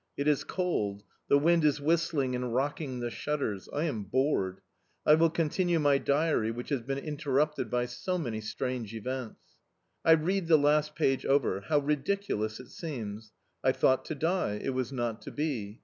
It is cold; the wind is whistling and rocking the shutters... I am bored!... I will continue my diary which has been interrupted by so many strange events. I read the last page over: how ridiculous it seems!... I thought to die; it was not to be.